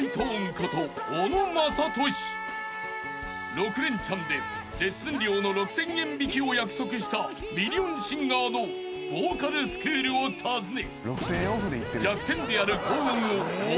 ［６レンチャンでレッスン料の６，０００円引きを約束したミリオンシンガーのボーカルスクールを訪ね］